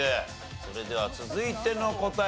それでは続いての答え